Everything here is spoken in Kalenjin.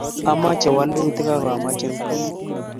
Omoche walutik ak omoche nguno